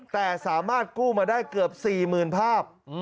แต่สามารถกู้มาได้เกือบ๔๐๐๐ภาพ